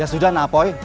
ya sudah na poik